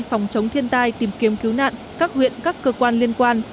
phòng chống thiên tai tìm kiếm cứu nạn các huyện các cơ quan liên quan